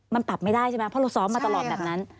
มันปรับไม่ได้ใช่ไหมเพราะเราซ้อมมาตลอดแบบนั้น